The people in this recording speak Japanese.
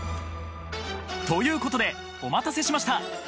ということでお待たせしました！